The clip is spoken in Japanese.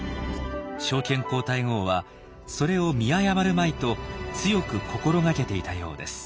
昭憲皇太后はそれを見誤るまいと強く心掛けていたようです。